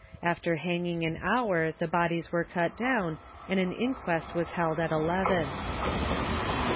After hanging an hour the bodies were cut down, and an inquest was held at eleven.